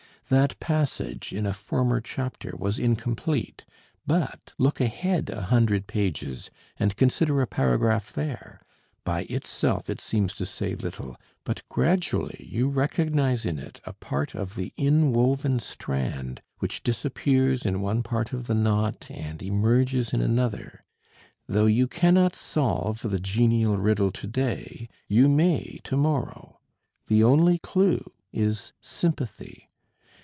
That passage in a former chapter was incomplete; but look ahead a hundred pages and consider a paragraph there: by itself it seems to say little; but gradually you recognize in it a part of the inwoven strand which disappears in one part of the knot and emerges in another. Though you cannot solve the genial riddle to day, you may to morrow. The only clue is sympathy.